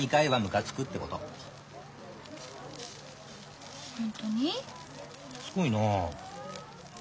しつこいなあ。